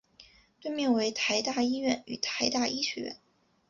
对面为台大医院与台大医学院。